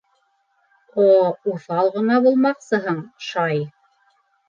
-О, уҫал ғына булмаҡсыһың, шай.